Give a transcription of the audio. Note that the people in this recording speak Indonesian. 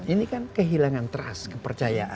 ini kan kehilangan trust